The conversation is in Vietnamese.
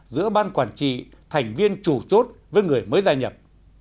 giữa ban quản trị thành viên chủ chốt với người mới gia nhập